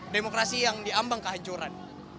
demokrasi yang diambang kehancuran